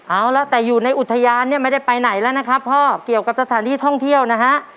เอาละแต่อยู่ในอุทยานเนี่ยไม่ได้ไปไหนแล้วนะครับพ่อเกี่ยวกับสถานที่ท่องเที่ยวนะฮะ